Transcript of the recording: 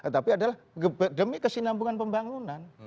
tapi adalah demi kesinambungan pembangunan